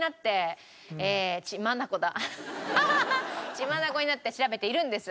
血眼になって調べているんです。